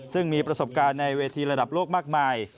ซึ่งมีประสบการณ์ในเวทีระดับโลกมากมาย